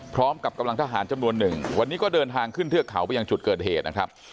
พร้อมกับกำลังทหารจำนวนหนึ่งวันนี้ก็เดินทางขึ้นเทือกเขาไปยังจุดเกิดเหตุนะครับ